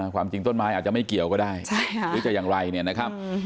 ความจริงต้นไม้อาจจะไม่เกี่ยวก็ได้หรือจะอย่างไรเนี่ยนะครับ